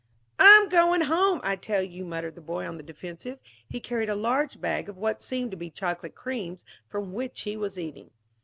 "I'm going home, I tell you!" muttered the boy, on the defensive. He carried a large bag of what seemed to be chocolate creams, from which he was eating.